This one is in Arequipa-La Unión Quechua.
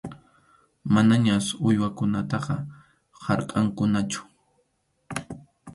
Manañas uywakunataqa harkʼankuñachu.